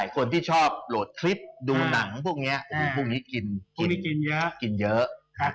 คนที่ชอบโหลดคลิปดูหนังพวกนี้พวกนี้กินกินเยอะกินเยอะ